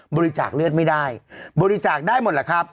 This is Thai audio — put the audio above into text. บริจาคเลือดไม่ได้บริจาคได้หมดแหละครับ